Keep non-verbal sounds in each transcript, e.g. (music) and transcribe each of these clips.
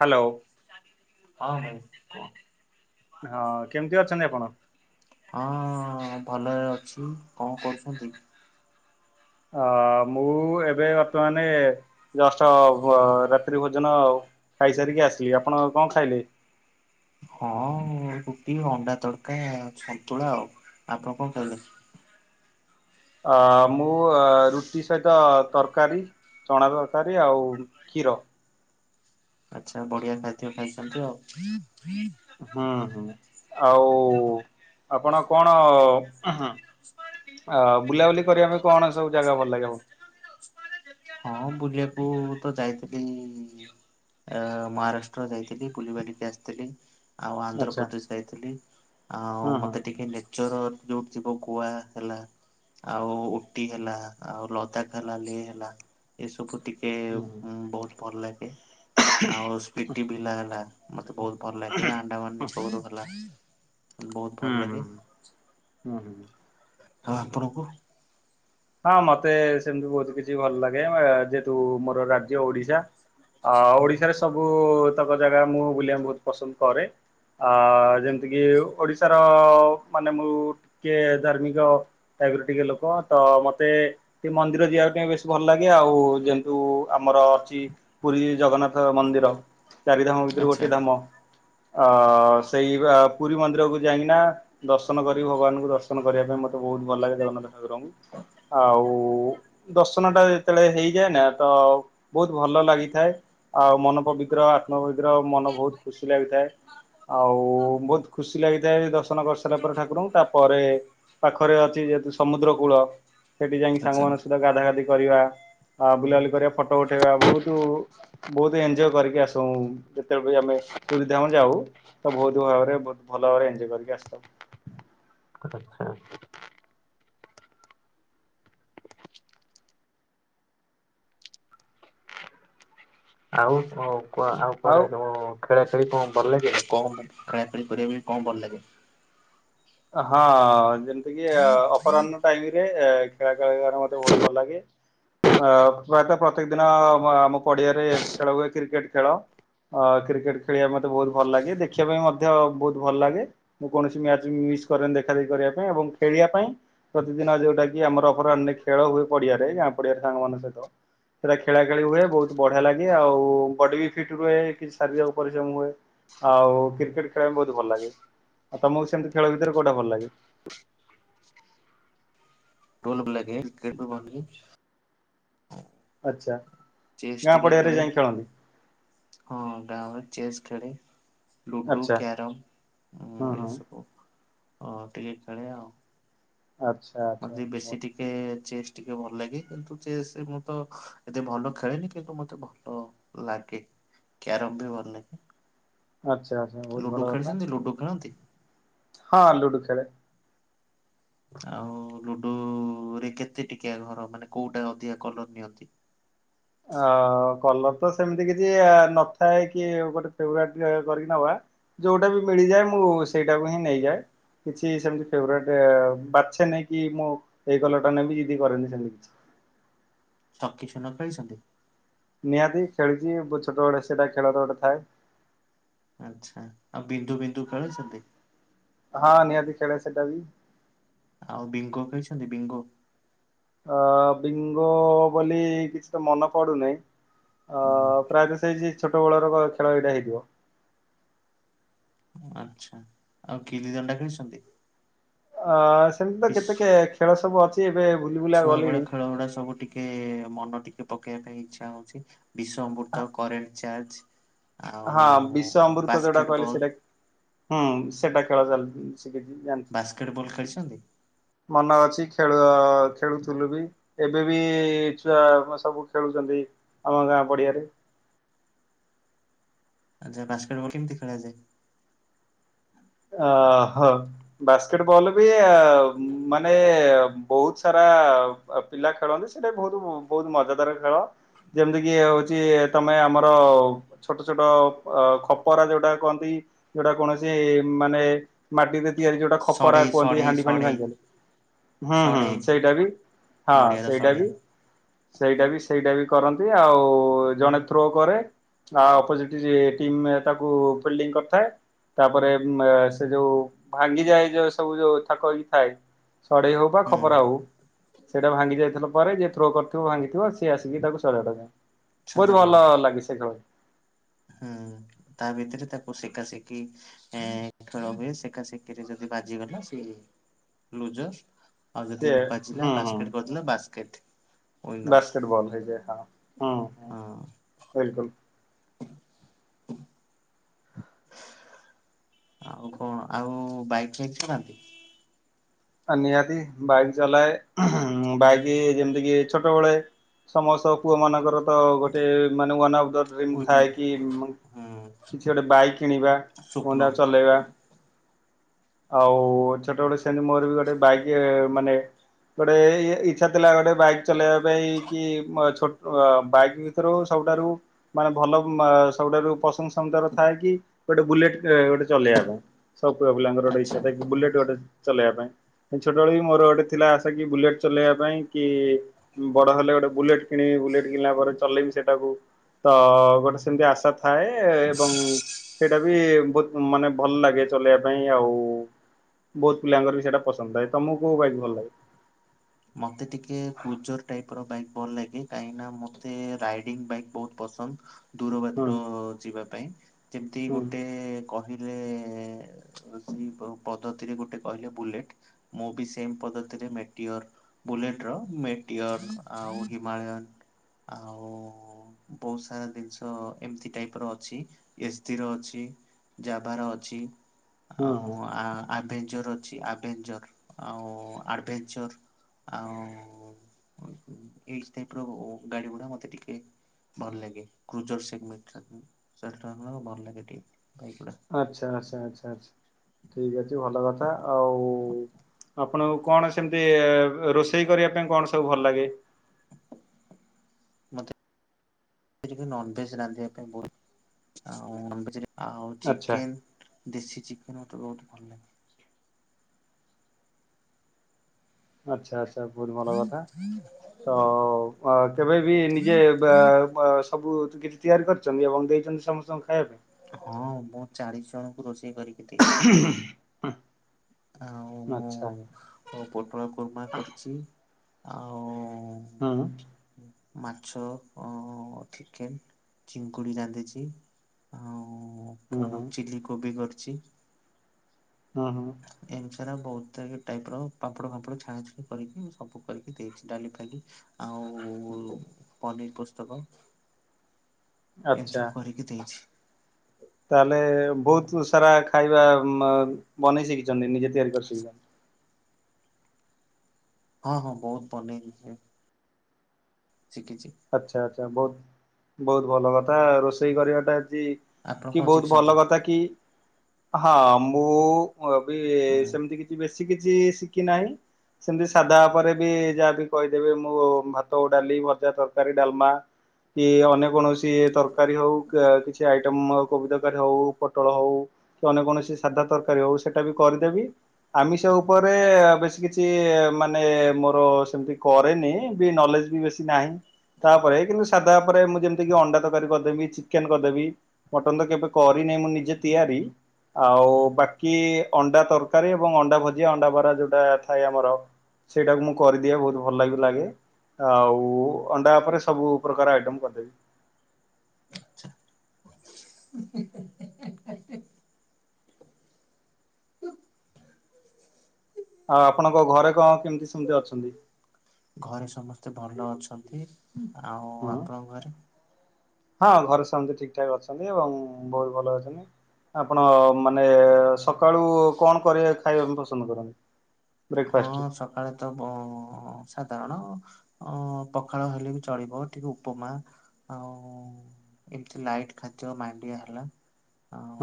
Hello ହଁ ହୋଉ। ହଁ କେମିତି ଅଛନ୍ତି ଆପଣ? ହଁ ଭଲରେ ଅଛି କଣ କରୁଛନ୍ତି। ଅ ମୁଁ ଏବେ ଖାଇସାରିକି ଆସିଲି ଆପଣ କଣ ଖାଇଲେ? ହଁ ରୁଟି ଅଣ୍ଡାତଡକା ସନ୍ତୁଳା ଆଉ ଆପଣ କଣ ଖାଇଲେ? ଅ ମୁଁ ରୁଟି ସହିତ ତରକାରୀ। ଚଣା ତରକାରୀ ଆଉ କ୍ଷୀର। ଆଚ୍ଛା ବଢିଆ ଖାଦ୍ୟ ଖାଇସାରିଛ। ହୁଁ ହୁଁ ଆଉ ଆପଣ କଣ? ଆଉ ବୁଲାବୁଲି କରିବା ପାଇଁ କଣ ସବୁ ଜାଗା ଭଲ ଲାଗେ? ହଁ ହଁ ବୁଲିବାକୁ ତ ଯାଇଥିଲି। ହୁଁ ଆ ମହାରାଷ୍ଟ୍ର ଯାଇଥିଲି ବୁଲିିବାଲିିକି ଆସିଥିଲି। ଆଉ ଆଚ୍ଛା ଆନ୍ଧ୍ରପ୍ରଦେଶ ଯାଇଥିଲି, ଆଉ ହୁଁ ହୁଁ ମତେଟିକେ ନେଚର ଯୋଉଠି ଥିବ କୁଆ ହେଲା ଆଉ ଉଟି ହେଲା ଆଉ ଲଦାଖ ହେଲା ଲି ହେଲା ଏସବୁ ଟି କେ ହୁଁ ବହୁତ ଭଲଲାଗେ। ଆଉ ସ୍ପିଟିଭିଲା ହେଲା ମତେ ବହୁତ ଭଲ ହୁଁ ଲାଗେ, ହୁଁ ଆଣ୍ଡାମାନନିକୋବର ହେଲା ବହୁତ ଭଲ ହୁଁ ହୁଁ ଲାଗେ ହୁଁ ହୁଁ। ଆଉ ଆପଣକୁ? ହଁ ମତେ ସେମିତି ବହୁତ କିଛି ଭଲଲାଗେ, ଯେହେତୁ ମୋର ରାଜ୍ୟ ଓଡିଶା। ଆ ଓଡିଶାରେ ସବୁ ତକ ଜାଗା ମୁଁ ବୁଲିବା କୁ ବହୁତ ପସନ୍ଦ କରେ। ଆ ଯେମିତିକିି ଓଡିଶାର ମାନେ ମୁଁ ଟିକେ ଧାର୍ମିକ ଏଗରୁ ଟିକେ ଲୋକ ତ ମତେ ମତେ ସେ ମନ୍ଦିର ଯିବା ପାଇଁ ବେଶି ଭଲ ଲାଗେ, ଆଉ ଯେହେତୁ ଆମର ଅଛି ପୁରୀ ଜଗନ୍ନାଥ ମନ୍ଦିର ଚାରିଧାମ ଭିତରୁ ଆଚ୍ଛା ଗୋଟିଏ ଧାମ। ଅ ସେଇବା ପୁରୀ ମନ୍ଦିରକୁ ଯାଇକିନା ଦର୍ଶନ କରି ଭଗବାନଙ୍କୁ ଦର୍ଶନ କରିବା ପାଇଁ ମତେ ବହୁତ ଭଲଲାଗେ ଜଗନ୍ନାଥ ଠାକୁରଙ୍କୁ ଆଉ ଦର୍ଶନ ଟା ଯେତେବେଳେ ହେଇଯାଏନା ତ ବହୁତ ଭଲ ଲାଗିଥାଏ, ଆଉ ମନପବିତ୍ର ଆତ୍ମାପବିତ୍ର ମନ ବହୁତ ଖୁସି ଲାଗିଥାଏ। ଆଉ ବହୁତ ଖୁସି ଲାଗିଥାଏ, ଦର୍ଶନ କରିସାରିଲା ପରେ ଠାକୁରଙ୍କୁ ତାପରେ ପାଖରେ ଅଛି ଯେହେତୁ ସମୁଦ୍ର କୂଳ ସେଠି ଯାଇକି ଆଚ୍ଛା। ସାଙ୍ଗମାନଙ୍କ ସହିତ ଗାଧା ଗାଧି କରି ବୁଲାବୁଲି କରିବା ଫଟୋ ଉଠେଇବା ବୋହୁତ ବହୁତ ଏନଜୟ ଅ ଏଞ୍ଜୟ କରିକି ଆସୁ ଯେତେବି ଆମେ ପୁରୀ ଧାମ ଯାଉ ତ ବହୁତ ଭାବରେ ଭଲ ଭାବରେ ଏଞ୍ଜୟ କରିକି ଆସିଥାଉ। ଆଛା। ଆଉ ଆଉ କୁଆଡେ କ ଖେଳାଖେଳି କଣ ଭଲଲାଗେ କଣ ଖେଳାଖେଳି କରିବା ପାଇଁ କଣ ଭଲଲାଗେ? ହଁ ଯେମିତି କିି ଅପରାହ୍ନ ଟାଇମରେ ଖେଳା ଖେଳ ମତେ ବହୁତ ଭଲ ଲାଗେ। ଅ ପ୍ରାୟତଃ ପ୍ରତ୍ୟେକ ଦିନ ଆ ଆମ ପଡିଆରେ ଖେଳ ହୁଏ କ୍ରିକେଟ ଖେଳ। ଅ କ୍ରିକେଟ ଖେଳିବା ମତେ ବହୁତ ଭଲ ଲାଗେ, ଦେଖିବା ପାଇଁ ମଧ୍ୟ ବହୁତ ଭଲ ଲାଗେ, ମୁଁ କୌଣସି ମ୍ୟାଚ ମିସ୍ କରେନି ଦେଖା ଦେଖି କରିବା ପାଇଁ ଏବଂ ଖେଳିବା ପାଇଁ ପ୍ରତିଦିନ ଯୋଉଟା କି ଆମର ଅପରାହ୍ନ ଖେଳ ହୁଏ, ପଡି ପଡିଆରେ ଗାଁ ପଡିଆରେ ସାଙ୍ଗ ମାନଙ୍କ ସହିତ। ସେଟା ଖେଳା ଖେଳି ହୁଏ ବହୁତ ବଢିଆ ଲାଗେ ଆଉ ବଡି ବି ଫିଟ ରୁହେ କିଛି ଶାରୀରିକ ପରିଶ୍ରମ ହୁଏ। ଆଉ କ୍ରିକେଟ ଖେଳିବା ପାଇଁ ବହୁତ ଭଲ ଲାଗେ ଆଉ ତମକୁ ସେମିତି ଖେଳ ଭିତରେ କୋଉଟା ଭଲ ଲାଗେ? ଟୋଲ ବ୍ଲାଗେ କିକ୍ରେଟ ଭଲି ଆଚ୍ଛା ଚେସ୍ ଗାଁ ଟିକେ ପଡିଆରେ ଖେଳେ ଯାଇ ଖେଳନ୍ତି ହଁ ଗାଁରେ ଚେସ୍ ଖେଳେ ଲୁଡୁ, ଆଚ୍ଛା ହୁଁ କ୍ୟାରମ ହୁଁ ଏସବୁ ଅ ଟିକେ ଖେଳେ ଆଉ। ଆଚ୍ଛା ଆଚ୍ଛା। ମତେ ବେଶୀ ଟିକେ ଚେଷ୍ ଟିକେ ଭଲ ଲାଗେ କିନ୍ତୁ ଚେସ୍ ମୁଁ ତ ଏତେ ଭଲ ଖେଳେନି କିନ୍ତୁ ମତେ ଭଲ ଲାଗେ। କ୍ୟାରମ୍ ବି ଭଲ ଲାଗେ ଆଚ୍ଛା ଆଛା ବହୁତ ଲୁଡୁ ଭଲ କଥା। ଖେଳିଛନ୍ତି ଲୁଡୁ ଖେଳନ୍ତି? ହଁ ଲୁଡୁ ଖେଳେ। ଆଉ ଲୁଡୁ ରେ କେତେ ଟିକିଆ ଘର ମାନେ କୋଉଟା ଅଧିକା କଲର ନିଅନ୍ତି? ଅ କଲର ତ ସେମିତି କିଛି ଆ ନଥାଏ କି ଗୋଟେ ଫେଭରେଟ୍ କରିକି ନବା ଯୋଉଟା ବି ମିଳିଯାଏ ମୁଁ ସେଇଟାକୁ ହିଁ ନେଇଯାଏ। କିଛି ସେମତି ଫେଭରେଟ ବାଛେ ନେଇ କି ମୁଁ ଏଇ କଲର ଟା ନେବି ଯିଦି କରେନି ସେମିତି କିଛି। ଛକି ଶୂନ ଖେଳିଚନ୍ତି? ନିହାତି ଖେଳିଚି ବୁ ଛୋଟ ବେଳ ସେଇଟା ଖେଳର ଗୋଟେ ଥାଏ। ଆଛା ଆଉ ବିନ୍ଦୁ ବିନ୍ଦୁ ଖେଳିଚନ୍ତି? ହଁ ନିହାତି ଖେଳେ ସେଟା ବିି। ଆଉ ବିଙ୍ଗୋ ଖେଳିଚନ୍ତି ବିଙ୍ଗୋ? ଅ ବିଙ୍ଗୋ ବୋଲି କିଛି ତ ମନେ ପଡୁନାହିଁ। ଅ ହୁଁ ପ୍ରାୟତଃ ସେଇ ଜି ଛୋଟ ବେଳର ବ ଖେଳ ଏଇଟା ହେଇଥିବ। ଆଛା ଆଉ ଗିଲି ଦଣ୍ଡା ଖେଳିଛନ୍ତି? ଆ ସେମିତି ତ ପିସ୍ କେତେ କେ ଖେଳ ସବୁ ଅଛି ଏବେ ଭୁଲି ଭୁଲା ଛୁଆ ବେଳ ଗଲିଣି। ଖେଳ ଗୁଡା ସବୁ ଟିକେ ମନ ଟିକେ ପକେଇବା ପାଇଁ ଇଚ୍ଛା ହଉଚି। ବିଶ ଅମୃତ କରରେଣ୍ଟ ଚାର୍ଜ ହଁ ବିଶ ଆଉ ଅମୃତ ଯୋଉଟା ବାସ୍କେଟ କହିଲେ ବଲ୍ ସେଇଟା ହୁଁ ସେଇଟା ଖେଳ ଚାଲ ସିକିଚି ଜାଣିଚି ବାସ୍କେଟ ବଲ୍ ଖେଳିଛନ୍ତି? ମନେ ଅଛି ଖେଳ ବେଳ ଖେଳୁଥିଲୁ ବି ଏବେ ବି ଛୁଆ ସବୁ ଖେଳୁଛନ୍ତି ଆମ ଗାଁ ପଡ଼ିଆରେ। (inaudible) ଆଚ୍ଛା ବାସ୍କେଟବଲ କେମତି ଖେଳାଯାଏ? ଅହୋ ବାସ୍କେଟବଲ ବି ମାନେ ବହୁତ ସାରା ଅ ପିଲା ଖେଳନ୍ତି ସେଟା ବହୁତ ବହୁତ ମଜାଦାର ଖେଳ। ଯେମିତି କିି ହଉଛି ତମେ ଆମର ଛୋଟ ଛୋଟ ଅ ଖପରା ଯୋଉଟା କହନ୍ତି। ଯୋଉଟା କୌଣସି ମାନେ ମାଟିରେ ତିଆରି ଯୋଉଟା ଖପରା ସଢେଇ କୁହନ୍ତି ସଢେଇ ହାଣ୍ଡି ଫାଣ୍ଡି ସଢେଇ ଭାଙ୍ଗି ଗଲେ। ହୁଁ ହୁଁ ସଢେଇ ସେଇଟା ବି ହଁ ନଡିଆର ସେଇଟା ବି। ସଢେଇ ସେଇଟା ବି ସେଇଟା ବି କରନ୍ତି ଆଉ ଜଣେ ଥ୍ରୋ କରେ। ଆଉ ଅପୋଜିଟ ଟିମ ତାକୁ ଫିଲ୍ଡିଂ କରିଥାଏ। ତାପରେ ସେ ଯୋଉ ଭାଙ୍ଗି ଯାଏ ଯୋଉ ସବୁ ଯୋଉ ଥାକ ହେଇକି ଥାଏ। ସଢେଇ ହଉ ବା ହୁଁ ଖପରା ହଉ। ସେଇଟା ଭାଙ୍ଗି ଯାଇଥିଲା ପରେ ଯିଏ ଥ୍ରୋ କରିଥିବ ଭାଙ୍ଗିଥିବ ସିଏ ଆସିକି ତାକୁ ସଜେଇ ଦେବ। ବହୁର ସଜାଡିବ ଭଲ ଲାଗେ ସେଇ ଖେଳ। ହୁଁ ତା ଭିତରେ ତାକୁ ସେଖା ଶିଖି ଏ ଖେଳ ହୁଏ। ସେଖା ଶିଖିରେ ତାକୁ ବାଜିଗଲା ସେ ଲୁଜର। ଆଉ ଯଦି ସିଏ ନ ବାଜିଲା ବାସ୍କେଟ କରିଦେଲା ବାସ୍କେଟ। ୱିନର ବାସ୍କେଟ ବଲ ହୋଇଯାଏ ହୁଁ ହୁଁ ହଁ ବିଲକୁଲ। (inaudible) ଆଉ କଣ ଆଉ ବାଇକ୍ ଫାଇକ୍ ଚଲାନ୍ତି? ଆ ନିହାତିି ବାଇକ ଚଲାଏ। ହୁଁ ହୁଁ ବାଇକ ଯେମିତି କିି ଛୋଟବେଳେ। ସମସ୍ତ ପୁଅ ମାନଙ୍କର ତ ଗୋଟେ ମାନେ ୱାନ ଅଫ ଦା ଡ୍ରିମ ୱିଟନେ ଥାଏ କି- ହୁଁ କିଛି ଗୋଟେ ବାଇକ୍ କିଣିବା ପୁଣି ତା ସ୍ୱପ୍ନ ଚଲେଇବା। ଆଉ ଛୋଟବେଟ ସେନ ମୋର ବି ଗୋଟେ ବାଇକ୍ ମାନେ। ଗୋଟେ ଇଛା ଥିଲା ଗୋଟେ ବାଇକ୍ ଚଲେଇବା ପାଇଁ କି ଛୋ ବାଇକ୍ ଭିତରୁ ଛୋ - ସବୁଠାରୁ ମାନେ ଭଲ ସବୁଠାରୁ ପ୍ରସନ୍ଦ ଥାଏ କି ଗୋଟେ ବୁଲେଟ। ଗୋଟେ ଚଲେଇବା ପାଇଁ ସବୁ ପୁଅ ପିଲାଙ୍କ ଗୋଟେ ଇଛା ଆଚ୍ଛା ଥାଏ ବୁଲେଟ ଗୋଟେ ଚଲେଇବା ପାଇଁ। ଛୋଟବେଳ ବି ମୋର ଗୋଟେ ଥିଲା ଆଶା କି? ବୁଲେଟ ଚଲେଇବା ପାଇଁ କି ବଡ ହେଲେ ଗୋଟେ ବୁଲେଟ କିଣିବି ବୁଲେଟ କିଣିଲା ପରେ ଚଲେଇି ସେଟାକୁ ତ ଗୋଟେ ସେମିତି ଆଶା ଥାଏ ଏବଂ ସେଇଟା ବି ବହୁତ ମାନେ ଭଲ ଲାଗେ, ଚଲେଇବା ପାଇଁ ଆଉ ବହୁତ ପିଲାଙ୍କର ବି ସେଇଟା ପସନ୍ଦ ଆ ତମକୁ କୋଉ ବାଇକ ଭଲ ଲାଗେ। ମତେ ଟିକେ କୁଜର ଟାଇପ ର ବାଇ ଭଲ ଲାଗେ କାହିଁକିନା ମତୋ ରାଇଡି ବାଇ ବହୁତ ପ ଦୂର ହୁଁ ବାଟ ଯିବା ପାଇଁ ଯେମତି ହୁଁ ଗୋଟେ କହି ହେଲେ। ପଦ୍ଧତିରେ ଗୋଟେ କହିଲେ ବୁଲେଟ ମୁଁ ବି ସେ ପଦ୍ଧତିରେ ବୁଲେଟ ର ମେଟିର ଆଉ ହିମାଳୟନ। ଆଉ ବହୁତ ସାରା ଜିନିଷ ଏମିତି ଟାଇପ ର ଅଛି ଏସ୍ଡି ର ଅଛି। ଯବାର ଅଛି। ହୁଁ ହୁଁ ଆଉ ଆଭେଜର ଅଛି, ଆଭେନଜର ଆଉ ଆରଭେନଚର, ଆଉ ଏଇ ଟାଇପ ର ଗାଡି ଗୁଡା ମତେ ଟିକେ ଭଲ ଲାଗେ କ୍ରୁଜରମ ସେ ଭଲ ଲାଗେ ଟିକେ। ବାଇକ୍ ଗୁଡ଼ା ଆଚ୍ଛା ଆଚ୍ଛା ଆଚ୍ଛା ଆଛା ଠିକ ଅଛି ଭଲ କଥା ଆଉ। ଆପଣଙ୍କୁ କଣ ସେମିତି ରୋଷେଇ କରିବା ପାଇଁ କଣ ସବୁ ଭଲ ଲାଗେ। ମତେ ଟିକେ ନବେଜ ରାନ୍ଧିବା ପାଇଁ ବ ଆଉ ନବେଜ ରେ ଆଉ ଆଚ୍ଛା ଚିକେନ ଦେଶୀ ଚିକେନ ମତେ ବହୁତ ଭଲ ଲାଗେ। ଆଚ୍ଛା ଆଛା। ବହୁତ ଭଲ କଥା ତ କେବେ ବି ନିଜେ ସବୁ କିଛି ତିଆରି କରିଛନ୍ତି, ଏବଂ ଦେଇଛନ୍ତି ସମସ୍ତଙ୍କ ହଁ ମୁଁ ଚାଳିଶ ଜଣଙ୍କୁ ରୋଷେଇ କରିକି ଦେଇଛି। ଆଉ ହୁଁ ଆଚ୍ଛା ମୁଁ ପୋଟଳ କୁର୍ମା କରିଛି ଆଉ। ହଁ। ମାଛ ଅ ଚିକେନ ଚିଙ୍କୁୁଡି ରାନ୍ଧିଛି ଆଉ- ଓ ହୁଁ ହୁଁ ପୁଣି ଚିଲି କୋବି କରିଛି। ହ ହୋ। ଏମିତି ବହୁତ ଟାଇପ ର ପାପଡ ଫାପଡ ଛାଣା ଛାଣି କରିକି ସବୁ କରିକି ଦେଇଛି ଡାଲି ଫାଲି ଆଉ। ଆଉ ପନିର ପୁସ୍ତକ। ଏମିତି ଆଚ୍ଛା ସବୁ କରିକି ଦେଇଛି। ତାହେଲେ ବହୁତ ସାରା ଖାଇବା ବନେଇ ଶିଖିଛନ୍ତି, ନିଜେ ତିଆରି କରି ଶିଖିଛନ୍ତି। ହଁ ହଁ ବହୁତ ବନେ ଶିଖିଚି। ଆଚ୍ଛା ଆଚ୍ଛା ବହୁତ ବହୁତ ଭଲ କଥା ରୋଷେଇ କରିବାଟା ଆପଣ କି କଣ ବହୁତ ଶିଖିଛନ୍ତି? ଭଲ କଥା କି? ହଁ! ମୁଁ ମୁଁ ଏ-ବି ହୁଁ ସେମତି କିଛି ବେଶୀ କିଛି ଶିଖି ନାହିଁ। ସେମିତି ସାଧା ପରେ ବି ଯାହା ବି କହିଦେବେ, ମୁଁ ଭାତ, ଡାଲି, ଭଜା, ତର କାରୀ, ଡାଲମା କି ଅନ୍ୟ କୌଣସି ତରକାରୀ ହଉ କିଛି ଆଇ ଟମ୍ କୋବି ତରକାରୀ ହଉ ପୋଟଳ ହଉ କି ଅନ୍ୟ କୌଣସି ସାଧା ତରକାରୀ ହଉ ସେଇଟା ବି କରିଦେବି। ଆମିଷ ଉପରେ ଆଉ ବେଶୀ କିଛି ମାନେ ମୋର ସେମିତି କରେନି ବି ନଲେଜ୍ ବି ବେଶି ନାଇଁ ତାପରେ କିନ୍ତୁ ସାଧା ଉପରେ ମୁଁ ଯେମିତିକି ଅଣ୍ଡା ତରକାରୀ କରିଦେବି, ଚିକେନ କରିଦେବି, ମଟନ ତ କେବେ କରିନି। ମୁ ନିଜେ ତିଆରି। ଆଉ ବାକି ଅଣ୍ଡା ତରକାରୀ ଏବଂ ଅଣ୍ଡା ଭଜିଆ, ଅଣ୍ଡା ବରା ଯୋଉଟା ଥାଏ ଆମର ସେଇଟାବି ମୁଁ କରିଦିଏ ବହୁତ ଭଲ ବି ଲାଗେ ଆଉ ଅଣ୍ଡା ଉପରେ ସବୁ ପ୍ରକାର ଆଇଟମ୍ କରିଦେବି। (unintelligible) ଆଉ ଆପଣଙ୍କ ଘରେ କଣ କେମିତି ସେମିତି ଅଛନ୍ତି? ଘରେ ସମସ୍ତେ ଭଲ ଅଛନ୍ତି। ଆଉ ହଁ ଆପଣଙ୍କ ଘରେ? ହଁ! ଘରେ ସେମସ୍ତେ ଠିକ ଠାକ ଅଛନ୍ତି ଏବଂ ବହୁତ ଭଲ ଅଛନ୍ତି। ଆପଣ ମାନେ ସକାଳୁ କଣ କରି ଖାଇବାକୁ ପାଇଁ ପସନ୍ଦ କରନ୍ତି। ହଁ ବ୍ରେକଫାଷ୍ଟରେ ସକାଳେ ତ ବ ସାଧାରଣ ଅ ପଖାଳ ହେଲେ ବି ଚଳିବ, ଟିକେ ଉପମା ଆଉ ଏମତି ଲାଇଟ୍ ଖାଦ୍ୟ ମାଣ୍ଡିଆ ହେଲା।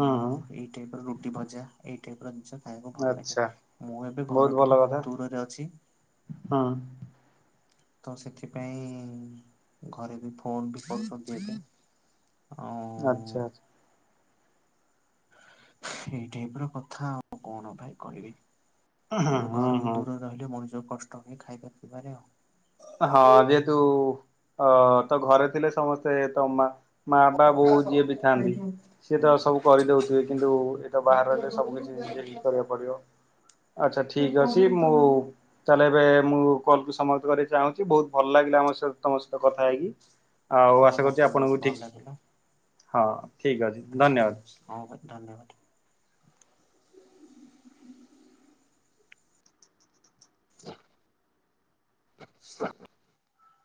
ହୁଁ ହୁଁ ଏଇ ଟାଇପ ର ରୁଟି, ଭଜା ଏଇ ଟାଇପ ର ଜିନିଷ। ଖାଇବାକୁ ଭଲ ଲାଗେ। ଆଚ୍ଛା ମୁଁ ଏବେ ଭଲ ଘରଠାରୁ କଥା ବହୁତ ଦୂରରେ ଅଛି। ହୁଁ। ତ ସେଥିପାଇଁ ଘରେ ବି ଫୋନ (inaudible) (inaudible) ଆଚ୍ଛା ଆଛା। ଏଇ ଟାଇପ ର କଥା ଆଉ, କଣ ଭାଇ କହିବି? ଏଣୁ ହୁଁ ଘରକୁ ହୁଁ ଦୂର ରହିଲେ ମଣିଷ କଷ୍ଟ ହୁଏ ଖାଇବା ପିଇବାରେ ଆଉ। ହଁ! ଯେହେତୁ ଅ ତ ଘରେ ଥିଲେ ସମସ୍ତେ ତ ମା ମା ବା ବୋଉ ଯିଏ ବି ଥାଆନ୍ତି, ସିଏ ହୁଁ ତ ସବୁ କରିଦଉଥିବେ କିନ୍ତୁ ଏଟା ବାହାରେ ରହିଲେ ସବୁ କିଛି କରିବାକୁ ପଡିବ। ଆଚ୍ଛା! ଠିକ ଅଛି! ମୁଁ ତାହାଲେ ଏବେ। ମୁଁ କଲ କୁ ସମାପ୍ତ କରିବା ଚାହୁଁଛି ବହୁତ ଭଲ ଲାଗିଲା ଆମ ସହିତ ତମ ସହିତ କଥା ହେଇକି। ଆଉ ହଁ ଆଶା କରୁଛି ମତେ ବି ବହୁତ ଆପଣଙ୍କୁ ଠିକ, ହଁ ଠିକ ଅଛି ହୁଁ ଧନ୍ୟବାଦ। ହୁଁ ହଁ ଭାଇ ଧନ୍ୟବାଦ। (inaudible)